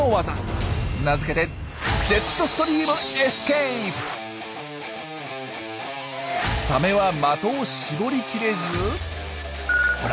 名付けてサメは的を絞りきれずほら